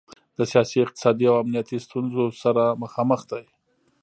د سیاسي، اقتصادي او امنیتي ستونخو سره مخامخ دی.